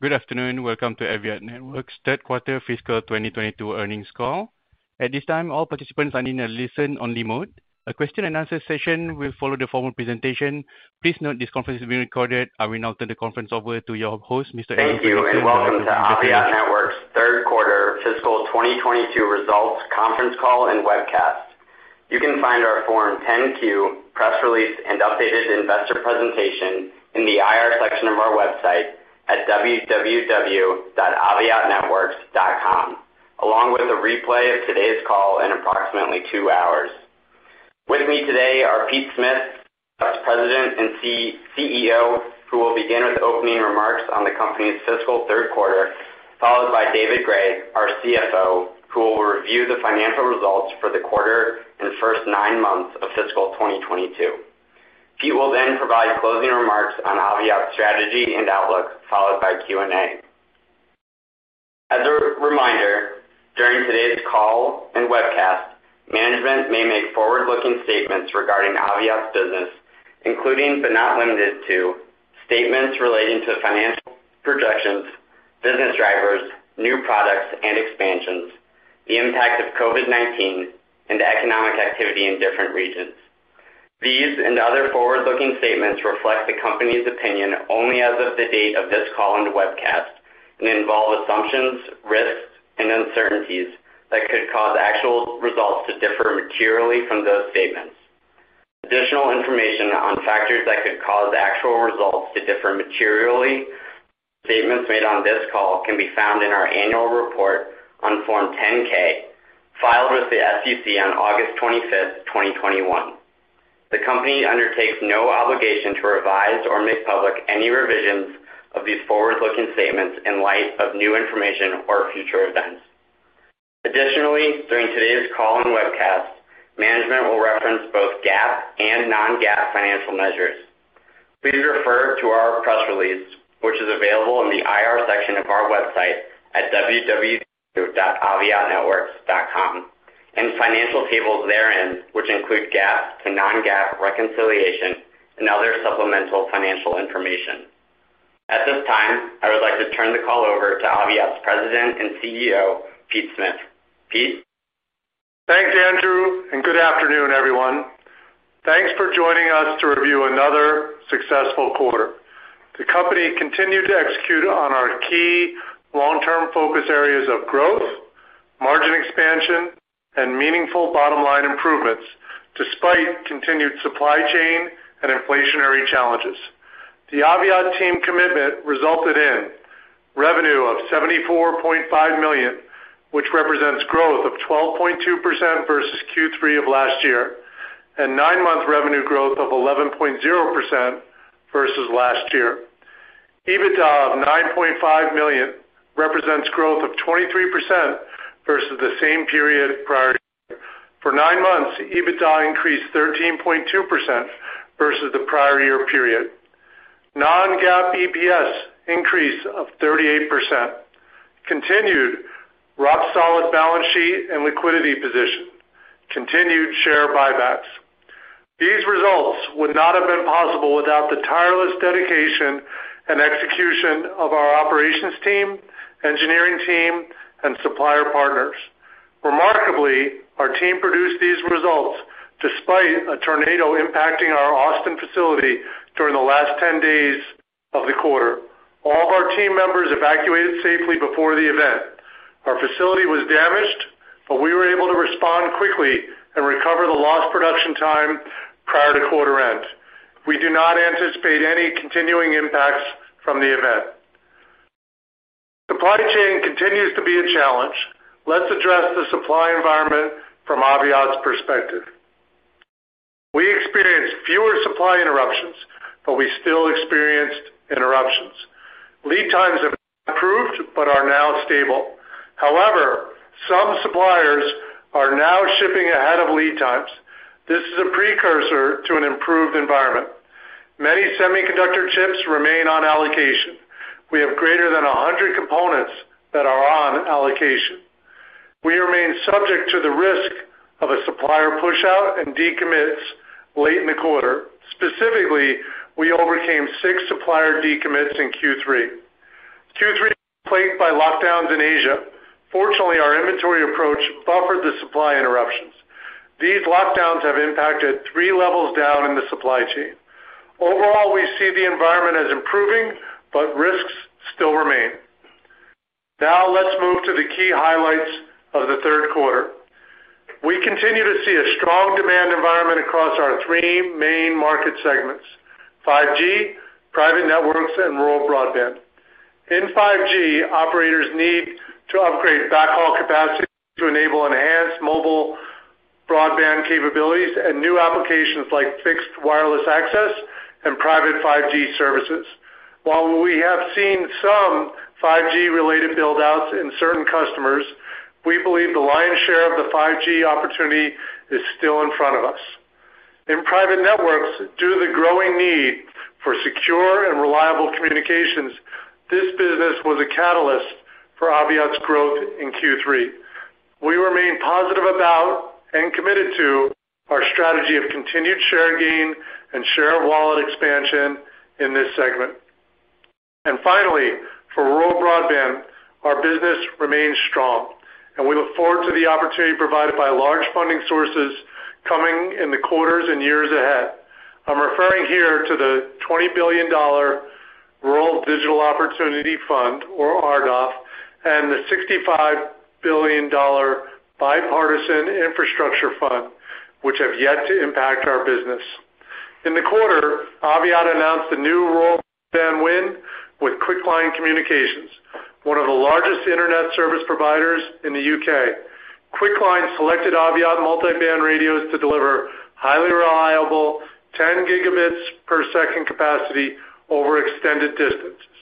Good afternoon. Welcome to Aviat Networks' Third Quarter Fiscal 2022 Earnings Call. At this time, all participants are in a listen-only mode. A question-and-answer session will follow the formal presentation. Please note this conference is being recorded. I will now turn the conference over to your host, Mr. Andrew Fredrickson. Thank you, and welcome to Aviat Networks' Third Quarter Fiscal 2022 Results Conference Call and Webcast. You can find our Form 10-Q, press release, and updated investor presentation in the IR section of our website at www.aviatnetworks.com, along with a replay of today's call in approximately two hours. With me today are Pete Smith, President and CEO, who will begin with opening remarks on the company's fiscal third quarter, followed by David Gray, our CFO, who will review the financial results for the quarter and first nine months of fiscal 2022. Pete will then provide closing remarks on Aviat's strategy and outlook, followed by Q&A. As a reminder, during today's call and webcast, management may make forward-looking statements regarding Aviat's business, including but not limited to statements relating to financial projections, business drivers, new products and expansions, the impact of COVID-19, and economic activity in different regions. These and other forward-looking statements reflect the company's opinion only as of the date of this call and webcast, and involve assumptions, risks, and uncertainties that could cause actual results to differ materially from those statements. Additional information on factors that could cause actual results to differ materially from statements made on this call can be found in our annual report on Form 10-K, filed with the SEC on August 25th, 2021. The company undertakes no obligation to revise or make public any revisions of these forward-looking statements in light of new information or future events. Additionally, during today's call and webcast, management will reference both GAAP and non-GAAP financial measures. Please refer to our press release, which is available in the IR section of our website at www.aviatnetworks.com, and financial tables therein, which include GAAP to non-GAAP reconciliation and other supplemental financial information. At this time, I would like to turn the call over to Aviat's President and CEO, Pete Smith. Pete? Thanks, Andrew, and good afternoon, everyone. Thanks for joining us to review another successful quarter. The company continued to execute on our key long-term focus areas of growth, margin expansion, and meaningful bottom-line improvements despite continued supply chain and inflationary challenges. The Aviat team commitment resulted in revenue of $74.5 million, which represents growth of 12.2% versus Q3 of last year, and nine-month revenue growth of 11.0% versus last year. EBITDA of $9.5 million represents growth of 23% versus the same period prior. For nine months, EBITDA increased 13.2% versus the prior year period. Non-GAAP EPS increase of 38%. Continued rock-solid balance sheet and liquidity position. Continued share buybacks. These results would not have been possible without the tireless dedication and execution of our operations team, engineering team, and supplier partners. Remarkably, our team produced these results despite a tornado impacting our Austin facility during the last 10 days of the quarter. All of our team members evacuated safely before the event. Our facility was damaged, but we were able to respond quickly and recover the lost production time prior to quarter end. We do not anticipate any continuing impacts from the event. Supply chain continues to be a challenge. Let's address the supply environment from Aviat's perspective. We experienced fewer supply interruptions, but we still experienced interruptions. Lead times have improved but are now stable. However, some suppliers are now shipping ahead of lead times. This is a precursor to an improved environment. Many semiconductor chips remain on allocation. We have greater than 100 components that are on allocation. We remain subject to the risk of a supplier pushout and decommits late in the quarter. Specifically, we overcame six supplier decommits in Q3. Q3 was plagued by lockdowns in Asia. Fortunately, our inventory approach buffered the supply interruptions. These lockdowns have impacted three levels down in the supply chain. Overall, we see the environment as improving, but risks still remain. Now let's move to the key highlights of the third quarter. We continue to see a strong demand environment across our three main market segments, 5G, private networks, and rural broadband. In 5G, operators need to upgrade backhaul capacity to enable enhanced mobile broadband capabilities and new applications like fixed wireless access and private 5G services. While we have seen some 5G-related build-outs in certain customers, we believe the lion's share of the 5G opportunity is still in front of us. In private networks, due to the growing need for secure and reliable communications, this business was a catalyst for Aviat's growth in Q3. We remain positive about and committed to our strategy of continued share gain and share wallet expansion in this segment. Finally, for rural broadband, our business remains strong, and we look forward to the opportunity provided by large funding sources coming in the quarters and years ahead. I'm referring here to the $20 billion Rural Digital Opportunity Fund, or RDOF, and the $65 billion Bipartisan Infrastructure Fund, which have yet to impact our business. In the quarter, Aviat announced a new rural broadband win with Quickline Communications, one of the largest internet service providers in the U.K. Quickline selected Aviat multiband radios to deliver highly reliable 10 Gbps capacity over extended distances.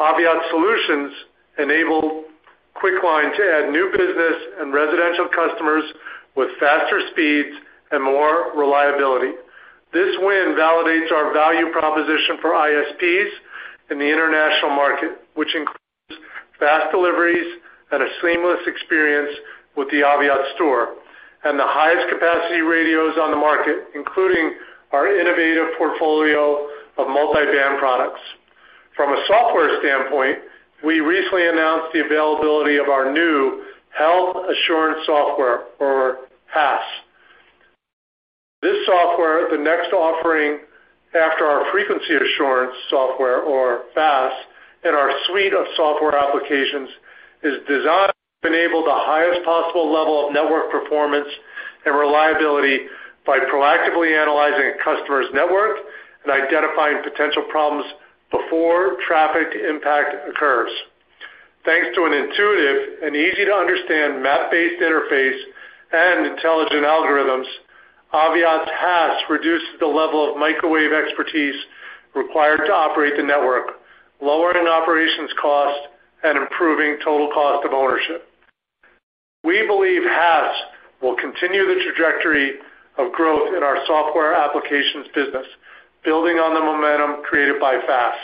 Aviat solutions enable Quickline to add new business and residential customers with faster speeds and more reliability. This win validates our value proposition for ISPs in the international market, which includes fast deliveries and a seamless experience with the Aviat Store, and the highest capacity radios on the market, including our innovative portfolio of multiband products. From a software standpoint, we recently announced the availability of our new Health Assurance Software, or HAS. This software, the next offering after our Frequency Assurance Software or FAS, in our suite of software applications, is designed to enable the highest possible level of network performance and reliability by proactively analyzing a customer's network and identifying potential problems before traffic impact occurs. Thanks to an intuitive and easy-to-understand map-based interface and intelligent algorithms, Aviat's HAS reduces the level of microwave expertise required to operate the network, lowering operations costs and improving total cost of ownership. We believe HAS will continue the trajectory of growth in our software applications business, building on the momentum created by FAS.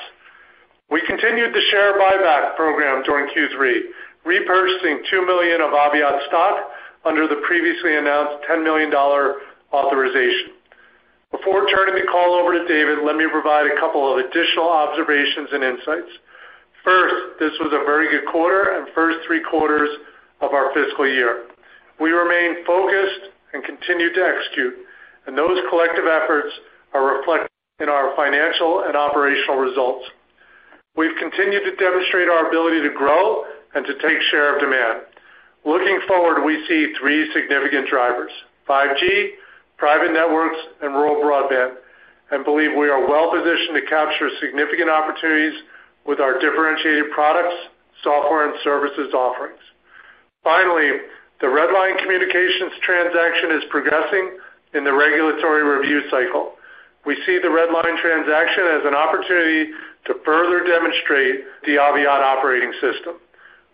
We continued the share buyback program during Q3, repurchasing 2 million of Aviat stock under the previously announced $10 million authorization. Before turning the call over to David, let me provide a couple of additional observations and insights. First, this was a very good quarter and first three quarters of our fiscal year. We remain focused and continue to execute, and those collective efforts are reflected in our financial and operational results. We've continued to demonstrate our ability to grow and to take share of demand. Looking forward, we see three significant drivers, 5G, private networks, and rural broadband. We believe we are well-positioned to capture significant opportunities with our differentiated products, software, and services offerings. Finally, the RedLine Communications transaction is progressing in the regulatory review cycle. We see the RedLine transaction as an opportunity to further demonstrate the Aviat operating system.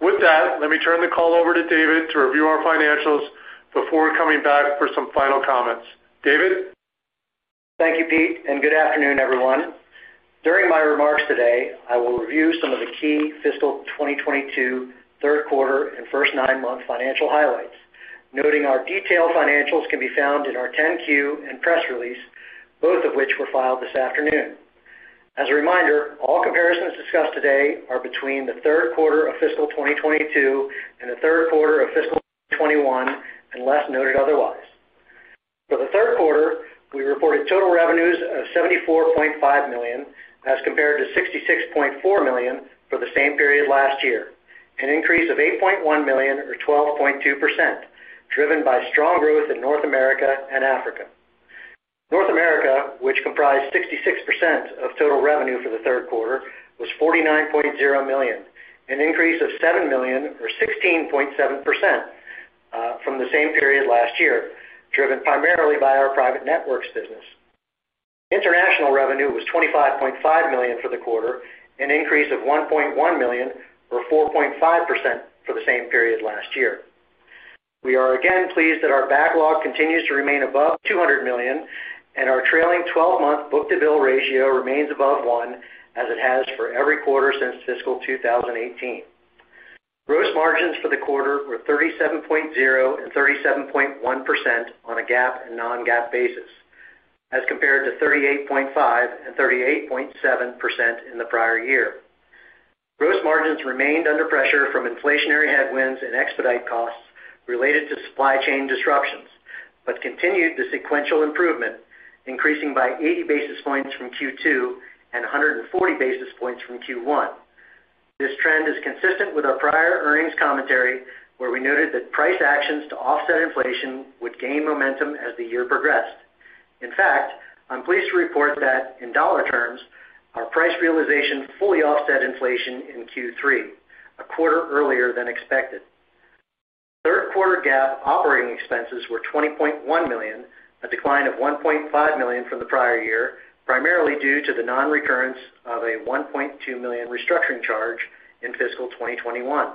With that, let me turn the call over to David to review our financials before coming back for some final comments. David? Thank you, Pete, and good afternoon, everyone. During my remarks today, I will review some of the key fiscal 2022 third quarter and first nine-month financial highlights, noting our detailed financials can be found in our 10-Q and press release, both of which were filed this afternoon. As a reminder, all comparisons discussed today are between the third quarter of fiscal 2022 and the third quarter of fiscal 2021, unless noted otherwise. For the third quarter, we reported total revenues of $74.5 million, as compared to $66.4 million for the same period last year, an increase of $8.1 million or 12.2%, driven by strong growth in North America and Africa. North America, which comprised 66% of total revenue for the third quarter, was $49.0 million, an increase of $7 million or 16.7%, from the same period last year, driven primarily by our private networks business. International revenue was $25.5 million for the quarter, an increase of $1.1 million or 4.5% for the same period last year. We are again pleased that our backlog continues to remain above $200 million, and our trailing twelve-month book-to-bill ratio remains above one as it has for every quarter since fiscal 2018. Gross margins for the quarter were 37.0% and 37.1% on a GAAP and non-GAAP basis as compared to 38.5% and 38.7% in the prior year. Gross margins remained under pressure from inflationary headwinds and expedite costs related to supply chain disruptions, but continued the sequential improvement, increasing by 80 basis points from Q2 and 140 basis points from Q1. This trend is consistent with our prior earnings commentary, where we noted that price actions to offset inflation would gain momentum as the year progressed. In fact, I'm pleased to report that in dollar terms, our price realization fully offset inflation in Q3, a quarter earlier than expected. Third quarter GAAP operating expenses were $20.1 million, a decline of $1.5 million from the prior year, primarily due to the non-recurrence of a $1.2 million restructuring charge in fiscal 2021.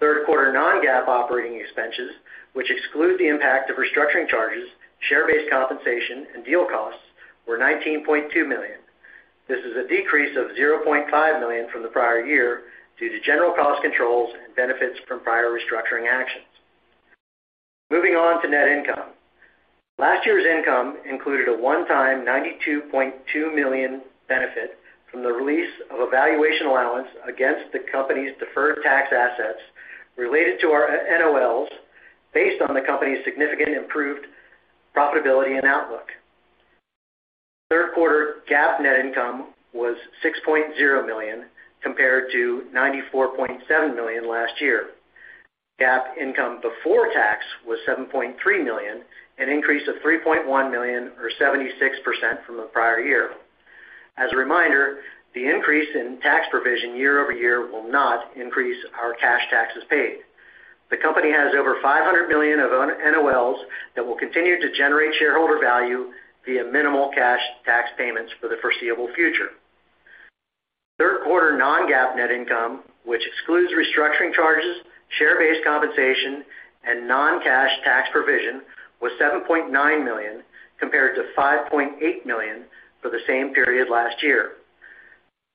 Third quarter non-GAAP operating expenses, which exclude the impact of restructuring charges, share-based compensation, and deal costs, were $19.2 million. This is a decrease of $0.5 million from the prior year due to general cost controls and benefits from prior restructuring actions. Moving on to net income. Last year's income included a one-time $92.2 million benefit from the release of a valuation allowance against the company's deferred tax assets related to our NOLs based on the company's significant improved profitability and outlook. Third quarter GAAP net income was $6.0 million compared to $94.7 million last year. GAAP income before tax was $7.3 million, an increase of $3.1 million or 76% from the prior year. As a reminder, the increase in tax provision year-over-year will not increase our cash taxes paid. The company has over $500 million of NOLs that will continue to generate shareholder value via minimal cash tax payments for the foreseeable future. Third quarter non-GAAP net income, which excludes restructuring charges, share-based compensation, and non-cash tax provision, was $7.9 million compared to $5.8 million for the same period last year.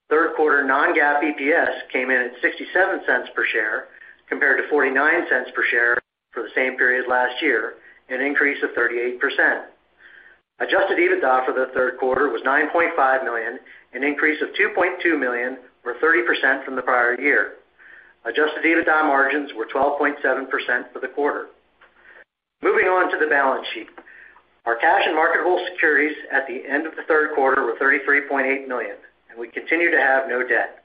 Third quarter non-GAAP EPS came in at $0.67 per share compared to $0.49 per share for the same period last year, an increase of 38%. Adjusted EBITDA for the third quarter was $9.5 million, an increase of $2.2 million or 30% from the prior year. Adjusted EBITDA margins were 12.7% for the quarter. Moving on to the balance sheet. Our cash and marketable securities at the end of the third quarter were $33.8 million, and we continue to have no debt.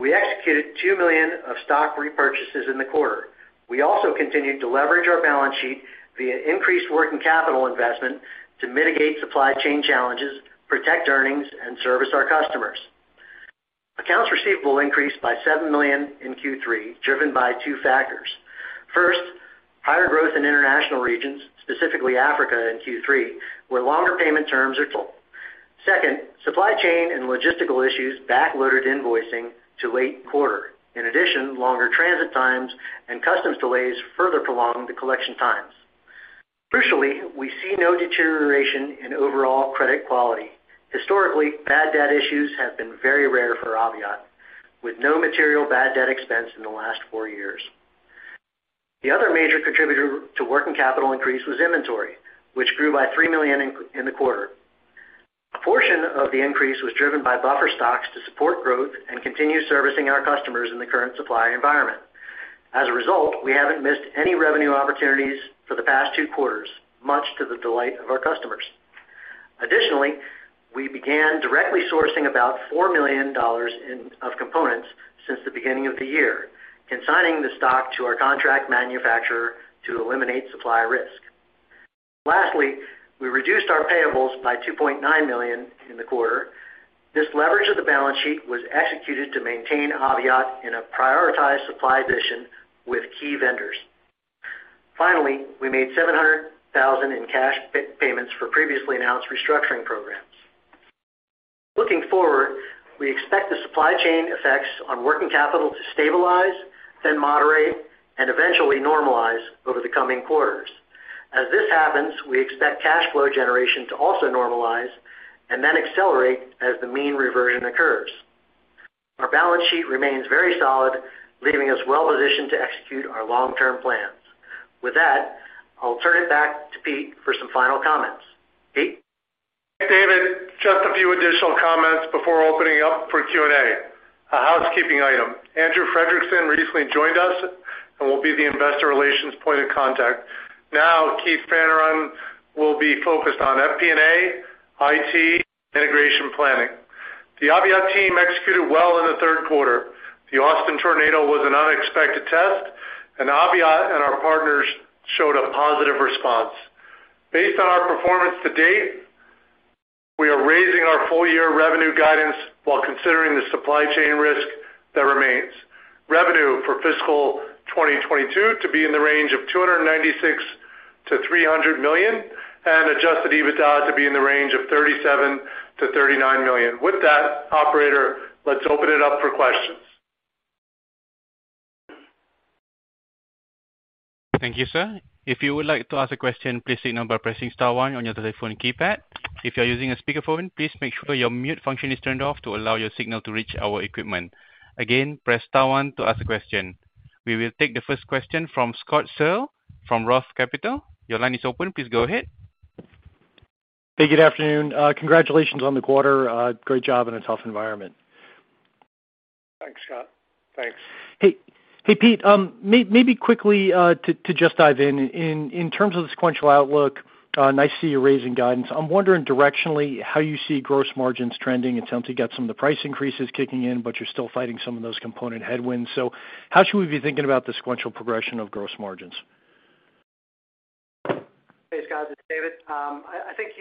We executed $2 million of stock repurchases in the quarter. We also continued to leverage our balance sheet via increased working capital investment to mitigate supply chain challenges, protect earnings, and service our customers. Accounts receivable increased by $7 million in Q3, driven by two factors. First, higher growth in international regions, specifically Africa in Q3, where longer payment terms are told. Second, supply chain and logistical issues backloaded invoicing to late quarter. In addition, longer transit times and customs delays further prolonged the collection times. Crucially, we see no deterioration in overall credit quality. Historically, bad debt issues have been very rare for Aviat, with no material bad debt expense in the last four years. The other major contributor to working capital increase was inventory, which grew by $3 million in the quarter. A portion of the increase was driven by buffer stocks to support growth and continue servicing our customers in the current supply environment. As a result, we haven't missed any revenue opportunities for the past two quarters, much to the delight of our customers. Additionally, we began directly sourcing about $4 million of components since the beginning of the year, consigning the stock to our contract manufacturer to eliminate supply risk. Lastly, we reduced our payables by $2.9 million in the quarter. This leverage of the balance sheet was executed to maintain Aviat in a prioritized supply position with key vendors. Finally, we made $700,000 in cash payments for previously announced restructuring programs. Looking forward, we expect the supply chain effects on working capital to stabilize, then moderate, and eventually normalize over the coming quarters. As this happens, we expect cash flow generation to also normalize and then accelerate as the mean reversion occurs. Our balance sheet remains very solid, leaving us well positioned to execute our long-term plans. With that, I'll turn it back to Pete for some final comments. Pete? David, just a few additional comments before opening up for Q&A. A housekeeping item. Andrew Fredrickson recently joined us and will be the investor relations point of contact. Now, Keith Fanneron will be focused on FP&A, IT, integration planning. The Aviat team executed well in the third quarter. The Austin tornado was an unexpected test, and Aviat and our partners showed a positive response. Based on our performance to date, we are raising our full year revenue guidance while considering the supply chain risk that remains. Revenue for fiscal 2022 to be in the range of $296 million-$300 million, and adjusted EBITDA to be in the range of $37 million-$39 million. With that, operator, let's open it up for questions. Thank you, sir. If you would like to ask a question, please signal by pressing star one on your telephone keypad. If you're using a speakerphone, please make sure your mute function is turned off to allow your signal to reach our equipment. Again, press star one to ask a question. We will take the first question from Scott Searle from Roth Capital. Your line is open. Please go ahead. Hey, good afternoon. Congratulations on the quarter. Great job in a tough environment. Thanks, Scott. Thanks. Hey, Pete, quickly to just dive in. In terms of the sequential outlook, nice to see you raising guidance. I'm wondering directionally how you see gross margins trending. It sounds like you got some of the price increases kicking in, but you're still fighting some of those component headwinds. How should we be thinking about the sequential progression of gross margins? Hey, Scott, this is David. I think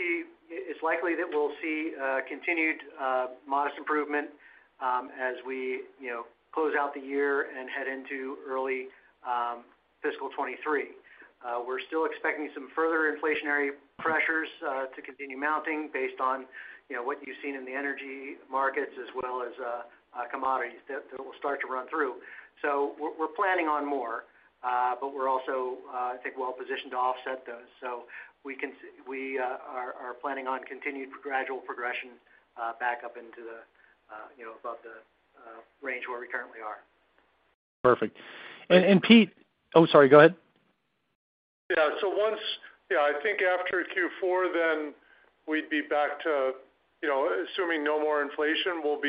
it's likely that we'll see continued modest improvement as we, you know, close out the year and head into early fiscal 2023. We're still expecting some further inflationary pressures to continue mounting based on, you know, what you've seen in the energy markets as well as commodities that will start to run through. We're planning on more, but we're also, I think, well positioned to offset those. We are planning on continued gradual progression back up into the, you know, above the range where we currently are. Perfect. Pete, oh, sorry, go ahead. I think after Q4, then we'd be back to, you know, assuming no more inflation, we'll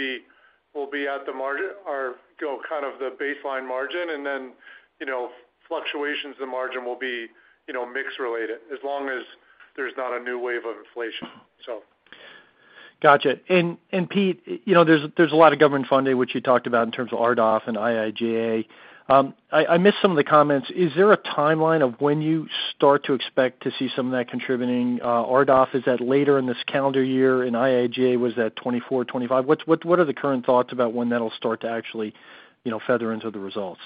be at the margin or go kind of the baseline margin, and then, you know, fluctuations in margin will be, you know, mix related as long as there's not a new wave of inflation. Gotcha. Pete, you know, there's a lot of government funding, which you talked about in terms of RDOF and IIJA. I missed some of the comments. Is there a timeline of when you start to expect to see some of that contributing, RDOF? Is that later in this calendar year? In IIJA, was that 2024, 2025? What are the current thoughts about when that'll start to actually, you know, feather into the results?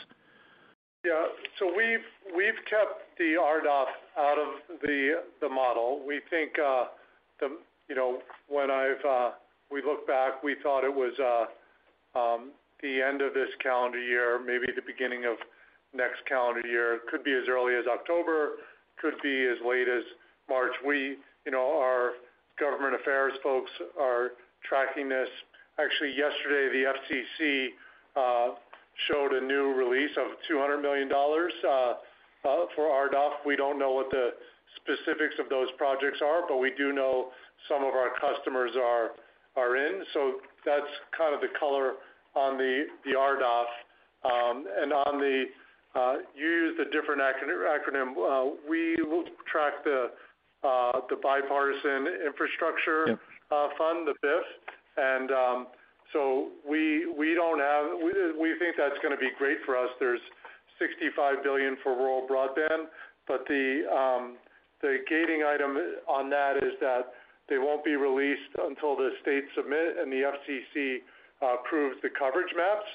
We've kept the RDOF out of the model. We think, when we look back, we thought it was the end of this calendar year, maybe the beginning of next calendar year. Could be as early as October, could be as late as March. Our government affairs folks are tracking this. Actually, yesterday, the FCC showed a new release of $200 million for RDOF. We don't know what the specifics of those projects are, but we do know some of our customers are in. That's kind of the color on the RDOF. On the, you used a different acronym. We will track the Bipartisan Infrastructure- Yeah Fund, the BIF. We think that's gonna be great for us. There's $65 billion for rural broadband, but the gating item on that is that they won't be released until the states submit and the FCC approves the coverage maps.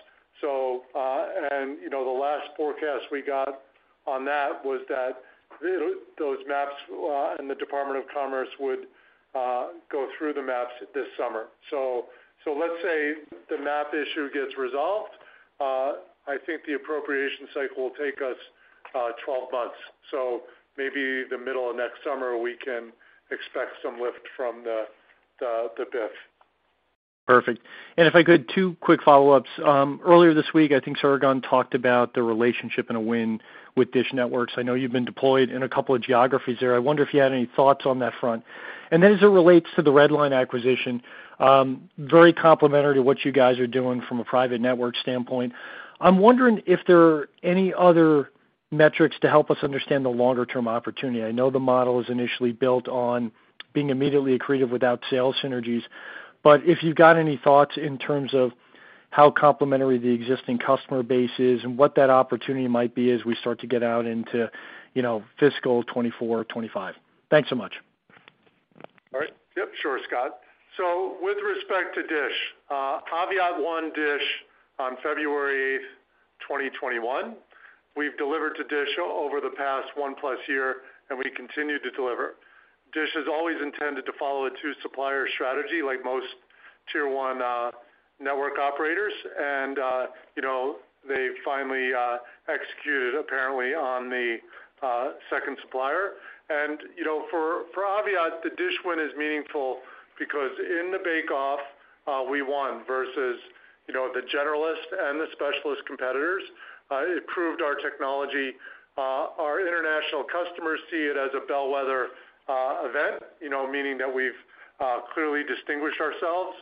You know, the last forecast we got on that was that those maps and the Department of Commerce would go through the maps this summer. Let's say the map issue gets resolved. I think the appropriation cycle will take us 12 months. Maybe the middle of next summer, we can expect some lift from the BIF. Perfect. If I could, two quick follow-ups. Earlier this week, I think Ceragon talked about the relationship and a win with DISH Network. I know you've been deployed in a couple of geographies there. I wonder if you had any thoughts on that front. As it relates to the Redline acquisition, very complementary to what you guys are doing from a private network standpoint. I'm wondering if there are any other metrics to help us understand the longer term opportunity. I know the model is initially built on being immediately accretive without sales synergies. If you've got any thoughts in terms of how complementary the existing customer base is and what that opportunity might be as we start to get out into, you know, fiscal 2024, 2025. Thanks so much. All right. Yep, sure, Scott. With respect to Dish, Aviat won Dish on February 8, 2021. We've delivered to Dish over the past one plus year, and we continue to deliver. Dish has always intended to follow a two-supplier strategy like most tier one network operators. You know, they finally executed apparently on the second supplier. You know, for Aviat, the Dish win is meaningful because in the bake off, we won versus, you know, the generalist and the specialist competitors. It proved our technology. Our international customers see it as a bellwether event, you know, meaning that we've clearly distinguished ourselves.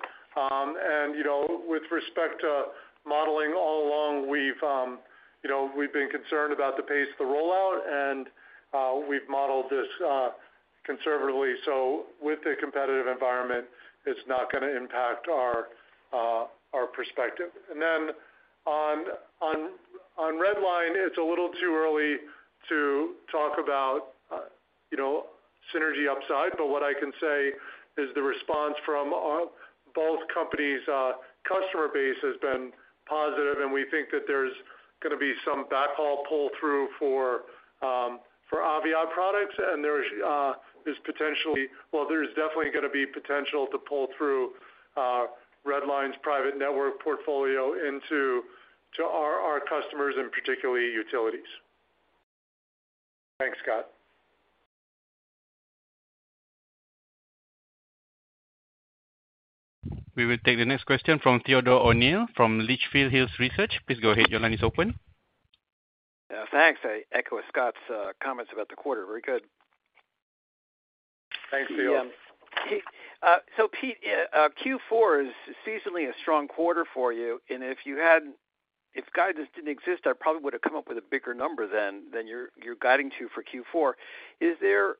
You know, with respect to modeling all along, we've been concerned about the pace of the rollout, and we've modeled this conservatively. With the competitive environment, it's not gonna impact our perspective. Then on Redline, it's a little too early to talk about, you know, synergy upside. But what I can say is the response from both companies' customer base has been positive, and we think that there's gonna be some backhaul pull-through for Aviat products. There's definitely gonna be potential to pull through Redline's private network portfolio into our customers and particularly utilities. Thanks, Scott. We will take the next question from Theodore O'Neill from Litchfield Hills Research. Please go ahead. Your line is open. Yeah, thanks. I echo Scott's comments about the quarter. Very good. Thanks, Theo. Pete, Q4 is seasonally a strong quarter for you, and if guidance didn't exist, I probably would have come up with a bigger number than you're guiding to for Q4. Is there,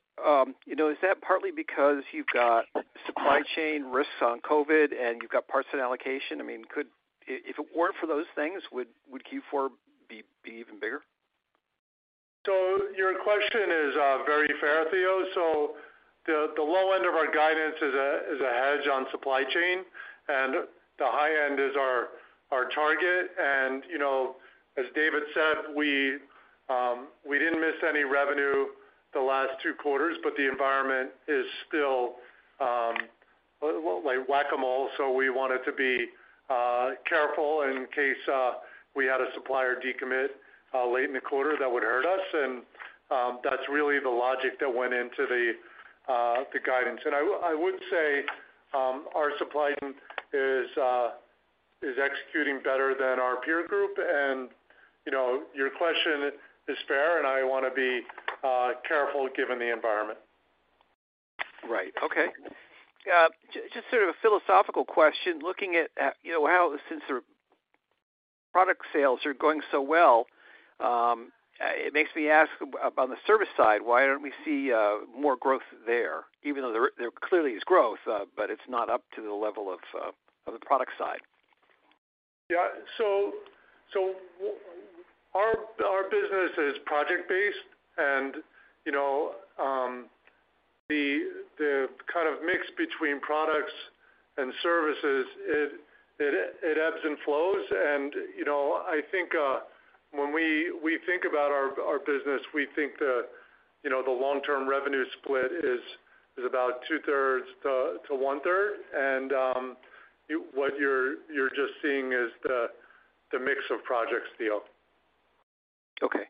you know, is that partly because you've got supply chain risks on COVID and you've got parts and allocation? I mean, if it weren't for those things, would Q4 be even bigger? Your question is very fair, Theo. The low end of our guidance is a hedge on supply chain, and the high end is our target. You know, as David said, we didn't miss any revenue the last two quarters, but the environment is still like whack-a-mole. We wanted to be careful in case we had a supplier decommit late in the quarter that would hurt us, and that's really the logic that went into the guidance. I would say our supply chain is executing better than our peer group. You know, your question is fair, and I wanna be careful given the environment. Right. Okay. Just sort of a philosophical question, looking at, you know, how since the product sales are going so well, it makes me ask about the service side, why don't we see more growth there, even though there clearly is growth, but it's not up to the level of the product side? Our business is project-based, and, you know, the kind of mix between products and services, it ebbs and flows. I think, when we think about our business, we think, you know, the long-term revenue split is about 2/3 to 1/3. What you're just seeing is the mix of projects deal. Okay.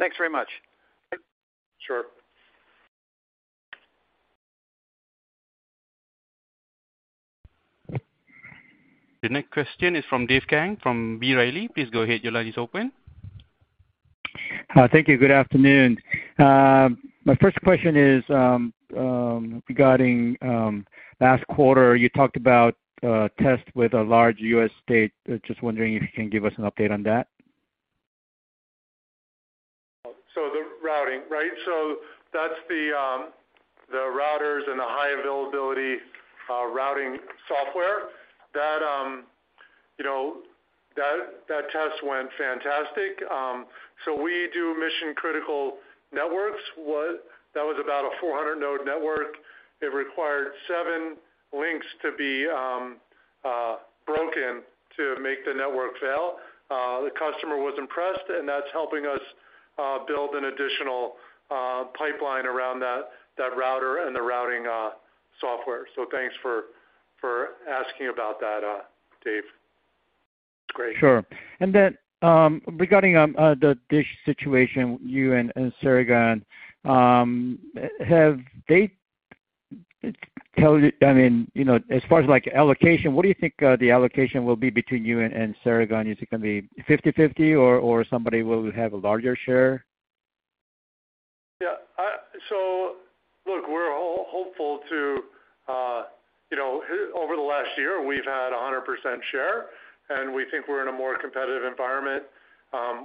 Thanks very much. Sure. The next question is from Dave Kang from B. Riley. Please go ahead. Your line is open. Thank you. Good afternoon. My first question is regarding last quarter, you talked about test with a large U.S. state. Just wondering if you can give us an update on that? The routing, right? That's the routers and the high availability routing software that test went fantastic. We do mission-critical networks. That was about a 400 node network. It required seven links to be broken to make the network fail. The customer was impressed, and that's helping us build an additional pipeline around that router and the routing software. Thanks for asking about that, Dave. It's great. Sure. Regarding the DISH situation, you and Ceragon, I mean, you know, as far as like allocation, what do you think the allocation will be between you and Ceragon? Is it gonna be 50/50 or somebody will have a larger share? Yeah. Look, we're hopeful to, you know, over the last year, we've had 100% share, and we think we're in a more competitive environment.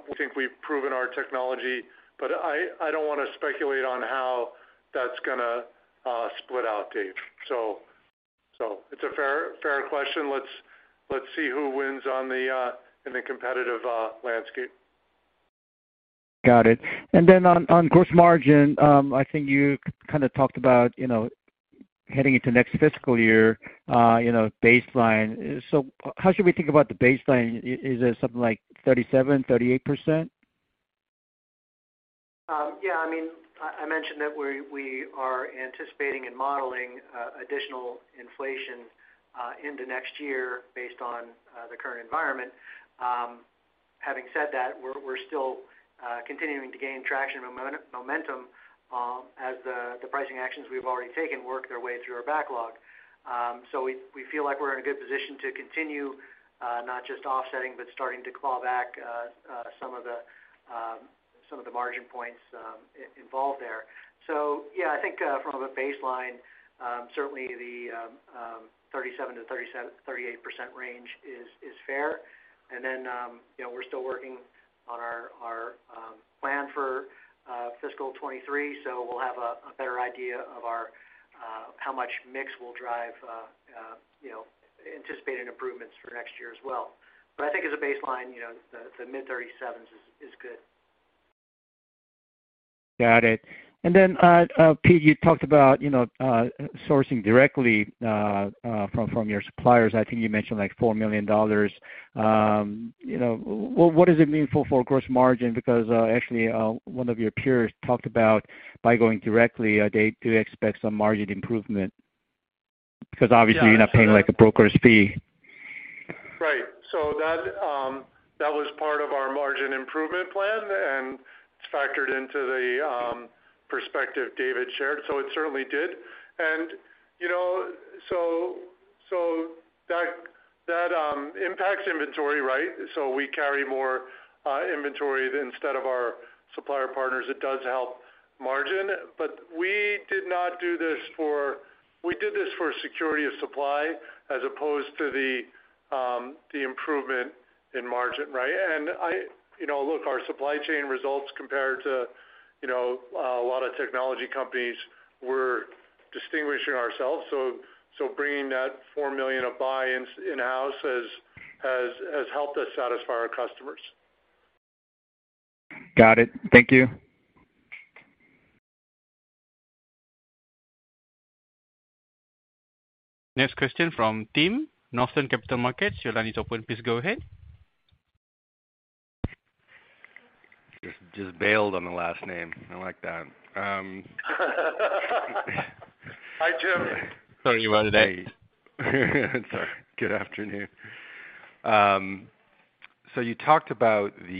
We think we've proven our technology, but I don't wanna speculate on how that's gonna split out, Dave. It's a fair question. Let's see who wins in the competitive landscape. Got it. On gross margin, I think you kind of talked about, you know, heading into next fiscal year, you know, baseline. How should we think about the baseline? Is it something like 37%-38%? Yeah, I mean, I mentioned that we are anticipating and modeling additional inflation into next year based on the current environment. Having said that, we're still continuing to gain traction and momentum, as the pricing actions we've already taken work their way through our backlog. So we feel like we're in a good position to continue not just offsetting, but starting to claw back some of the margin points involved there. So yeah, I think from a baseline, certainly the 37%-38% range is fair. We're still working on our plan for fiscal 2023, so we'll have a better idea of how much mix we'll drive, you know, anticipating improvements for next year as well. But I think as a baseline, you know, the mid-37s is good. Got it. Pete, you talked about, you know, sourcing directly, from your suppliers. I think you mentioned like $4 million. You know, what does it mean for gross margin? Because, actually, one of your peers talked about by going directly, they do expect some margin improvement. Because obviously. Yeah. You're not paying like a broker's fee. Right. That was part of our margin improvement plan, and it's factored into the prospects David shared. It certainly did. You know, that impacts inventory, right? We carry more inventory instead of our supplier partners. It does help margin. We did this for security of supply as opposed to the improvement in margin, right? You know, look, our supply chain results compared to you know, a lot of technology companies, we're distinguishing ourselves. Bringing that $4 million of buy-ins in-house has helped us satisfy our customers. Got it. Thank you. Next question from Tim, Northland Capital Markets. Your line is open. Please go ahead. Just bailed on the last name. I like that. Hi, Tim. Hey. Sorry, good afternoon. So you talked about the,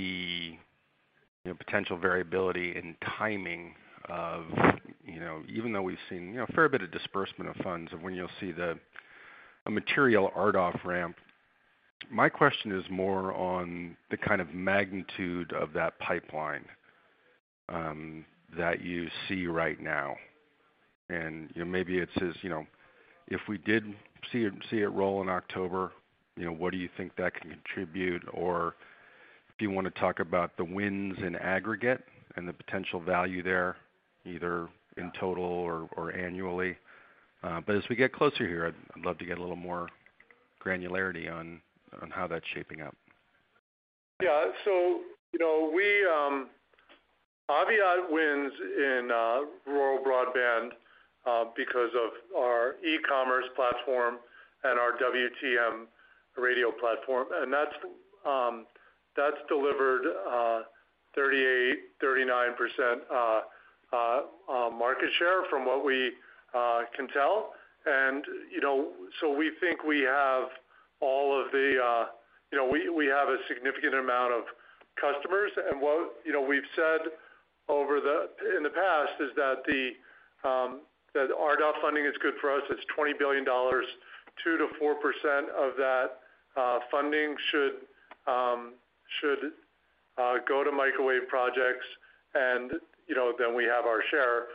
you know, potential variability in timing of, you know, even though we've seen, you know, a fair bit of disbursement of funds and when you'll see a material hard off ramp. My question is more on the kind of magnitude of that pipeline, that you see right now. You know, maybe it's just, you know, if we did see it roll in October, you know, what do you think that can contribute? Or if you wanna talk about the wins in aggregate and the potential value there, either in total or annually. As we get closer here, I'd love to get a little more granularity on how that's shaping up. Yeah. You know, Aviat wins in rural broadband because of our e-commerce platform and our WTM radio platform, and that's delivered 38%-39% market share from what we can tell. You know, we think we have all of the, you know, we have a significant amount of customers. What you know, we've said in the past is that the RDOF funding is good for us. It's $20 billion. 2%-4% of that funding should go to microwave projects. You know, then we have our share.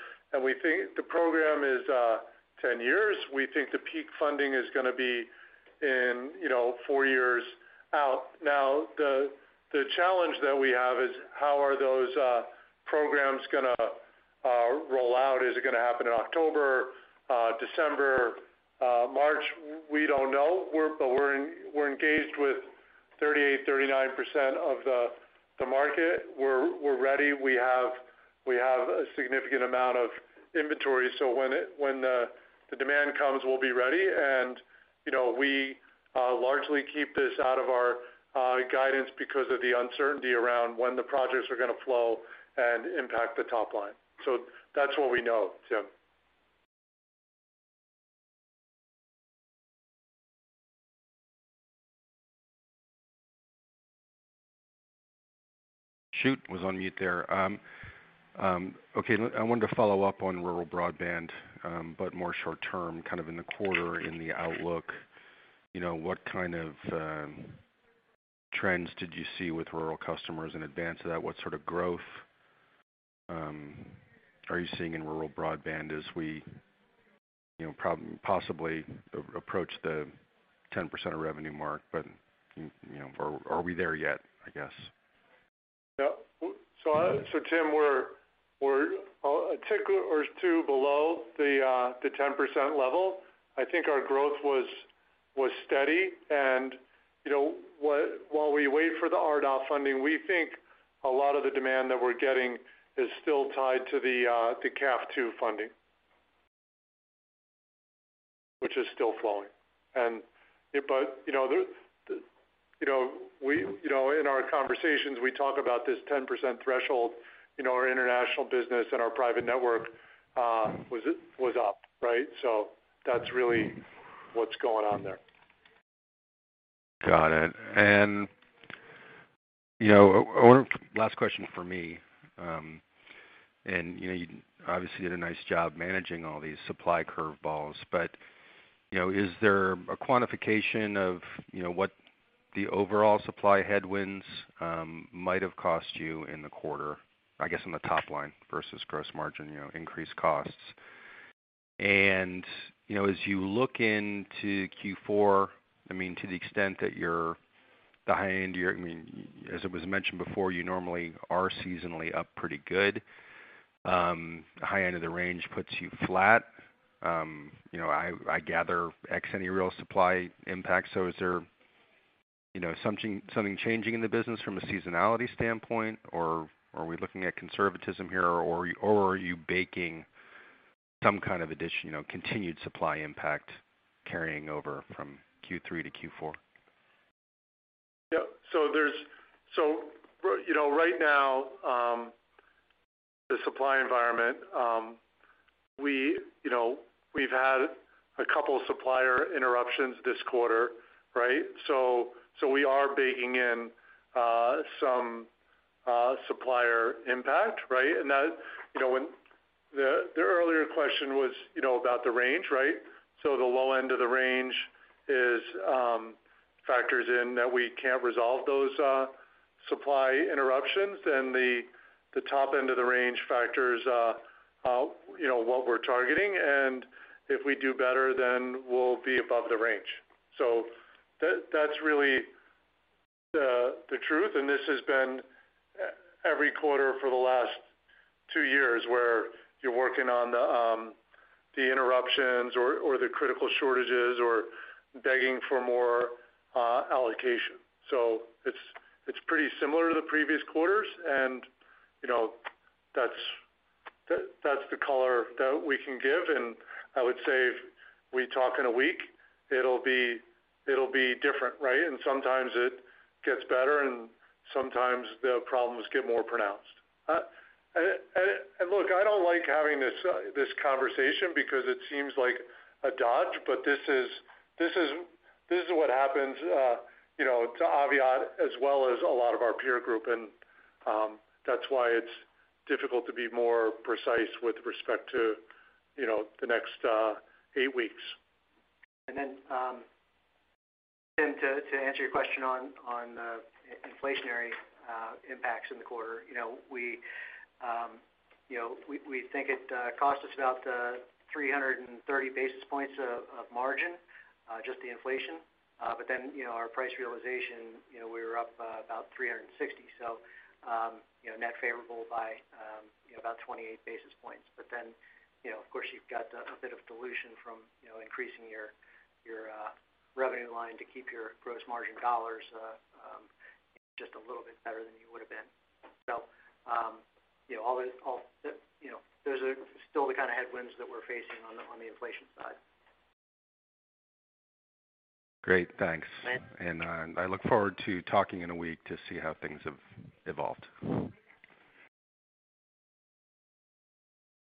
We think the program is 10 years. We think the peak funding is gonna be in four years out. Now, the challenge that we have is how are those programs gonna roll out? Is it gonna happen in October, December, March? We don't know. We're engaged with 38%-39% of the market. We're ready. We have a significant amount of inventory. When the demand comes, we'll be ready. You know, we largely keep this out of our guidance because of the uncertainty around when the projects are gonna flow and impact the top line. That's what we know, Tim. Shoot, was on mute there. Okay, I wanted to follow up on rural broadband, but more short term, kind of in the quarter, in the outlook. You know, what kind of trends did you see with rural customers in advance of that? What sort of growth are you seeing in rural broadband as we, you know, possibly approach the 10% of revenue mark? You know, are we there yet, I guess? Yeah. Tim, we're a tick or two below the 10% level. I think our growth was steady. You know, while we wait for the RDOF funding, we think a lot of the demand that we're getting is still tied to the CAF II funding. Which is still flowing. You know, in our conversations, we talk about this 10% threshold. You know, our international business and our private network was up, right? That's really what's going on there. Got it. You know, our last question for me, and you know, you obviously did a nice job managing all these supply curveballs. You know, is there a quantification of, you know, what the overall supply headwinds might have cost you in the quarter, I guess, on the top line versus gross margin, you know, increased costs? You know, as you look into Q4, I mean, to the extent that you're at the high end, I mean, as it was mentioned before, you normally are seasonally up pretty good. High end of the range puts you flat. You know, I gather ex any real supply impact. Is there, you know, something changing in the business from a seasonality standpoint, or are we looking at conservatism here, or are you baking some kind of addition, you know, continued supply impact carrying over from Q3 to Q4? Yeah. You know, right now, the supply environment, we, you know, we've had a couple supplier interruptions this quarter, right? We are baking in some supplier impact, right? That, you know, when the earlier question was, you know, about the range, right? The low end of the range factors in that we can't resolve those supply interruptions. The top end of the range factors in what we're targeting. If we do better, we'll be above the range. That's really the truth. This has been every quarter for the last two years, where you're working on the interruptions or the critical shortages or begging for more allocation. It's pretty similar to the previous quarters. You know, that's the color that we can give, and I would say if we talk in a week, it'll be different, right? Sometimes it gets better, and sometimes the problems get more pronounced. And look, I don't like having this conversation because it seems like a dodge, but this is what happens, you know, to Aviat as well as a lot of our peer group. That's why it's difficult to be more precise with respect to, you know, the next eight weeks. Tim, to answer your question on inflationary impacts in the quarter. You know, we, you know, we think it cost us about 330 basis points of margin just the inflation. You know, our price realization, you know, we were up about 360 basis points, so you know, net favorable by about 28 basis points. You know, of course, you've got a bit of dilution from you know, increasing your revenue line to keep your gross margin dollars just a little bit better than you would've been. You know, all the you know, those are still the kinda headwinds that we're facing on the inflation side. Great. Thanks. Right. I look forward to talking in a week to see how things have evolved.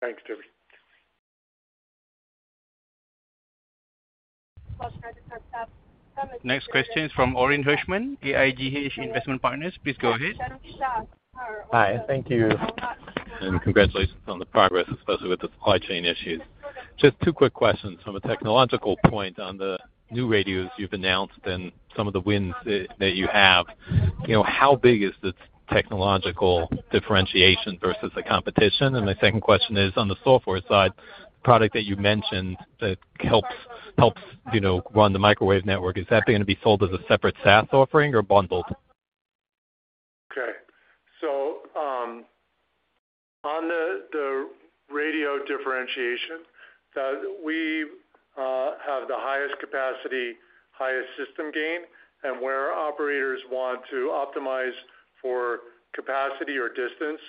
Thanks, Tim Savageaux. Next question is from Orin Hirschman, AIGH Investment Partners. Please go ahead. Hi. Thank you, and congratulations on the progress, especially with the supply chain issues. Just two quick questions. From a technological point on the new radios you've announced and some of the wins that you have, you know, how big is the technological differentiation versus the competition? And my second question is on the software side, product that you mentioned that helps, you know, run the microwave network. Is that gonna be sold as a separate SaaS offering or bundled? Okay. On the radio differentiation, we have the highest capacity, highest system gain, and where our operators want to optimize for capacity or distance,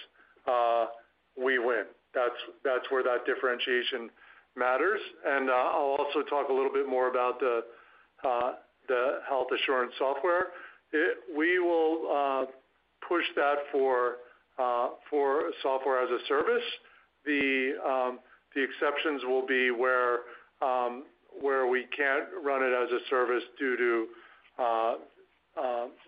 we win. That's where that differentiation matters. I'll also talk a little bit more about the Health Assurance Software. We will push that for Software as a Service. The exceptions will be where we can't run it as a service due to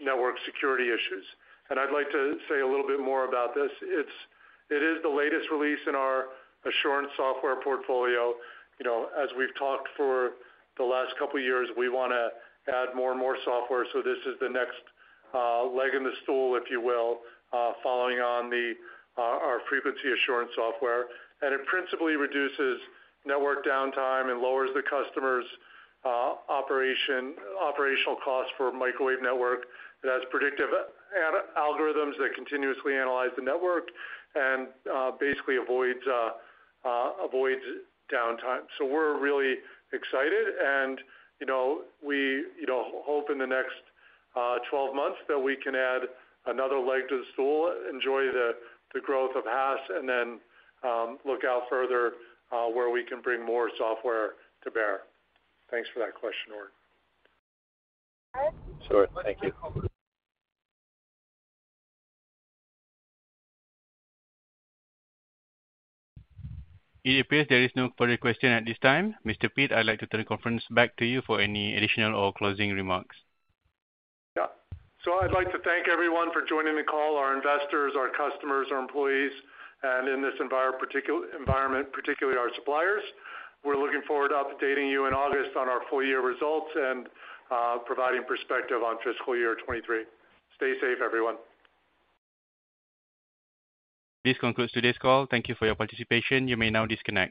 network security issues. I'd like to say a little bit more about this. It is the latest release in our Assurance Software portfolio. You know, as we've talked for the last couple years, we wanna add more and more software, so this is the next leg in the stool, if you will, following on our Frequency Assurance Software. It principally reduces network downtime and lowers the customer's operational costs for microwave network. It has predictive algorithms that continuously analyze the network and basically avoids downtime. We're really excited and, you know, we hope in the next 12 months that we can add another leg to the stool, enjoy the growth of HAS, and then look out further where we can bring more software to bear. Thanks for that question, Oren. Sure. Thank you. It appears there is no further question at this time. Mr. Pete, I'd like to turn the conference back to you for any additional or closing remarks. Yeah. I'd like to thank everyone for joining the call, our investors, our customers, our employees, and in this environment, particularly our suppliers. We're looking forward to updating you in August on our full year results and providing perspective on fiscal year 2023. Stay safe, everyone. This concludes today's call. Thank you for your participation. You may now disconnect.